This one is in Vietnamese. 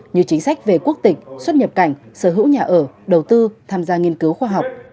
như chính sách về quốc tịch xuất nhập cảnh sở hữu nhà ở đầu tư tham gia nghiên cứu khoa học